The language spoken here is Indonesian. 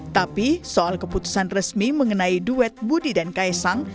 tapi soal keputusan resmi mengenai duet budi dan kaisang